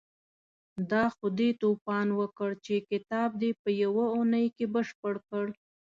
دا خو دې توپان وکړ چې کتاب دې په يوه اونۍ کې بشپړ کړ.